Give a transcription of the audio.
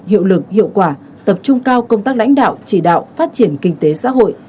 hiệu lực hiệu quả tập trung cao công tác lãnh đạo chỉ đạo phát triển kinh tế xã hội